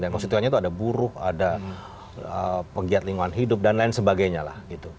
konstituennya itu ada buruh ada pegiat lingkungan hidup dan lain sebagainya lah